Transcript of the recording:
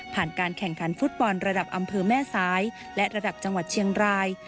การแข่งขันฟุตบอลระดับอำเภอแม่สายและระดับจังหวัดเชียงราย